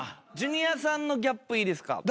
ジュニアさんのギャップいいですか？